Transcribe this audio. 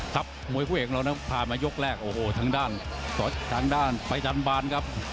ทัพมวยผู้เองเราพามายกแรกโอ้โฮทางด้านตรงด้านไปจัดบานครับ